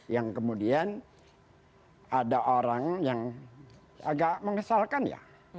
yang kemudian ada orang yang agak mengesalkan ya